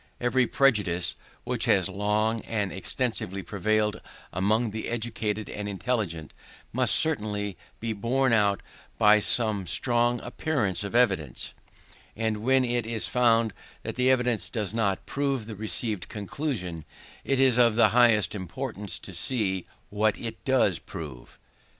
Every prejudice, which has long and extensively prevailed among the educated and intelligent, must certainly be borne out by some strong appearance of evidence; and when it is found that the evidence does not prove the received conclusion, it is of the highest importance to see what it does prove.